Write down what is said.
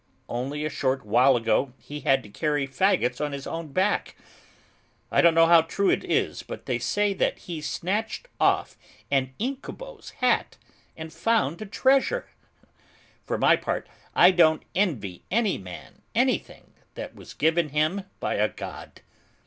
Only a short while ago he had to carry faggots on his own back. I don't know how true it is, but they say that he snatched off an Incubo's hat and found a treasure! For my part, I don't envy any man anything that was given him by a god.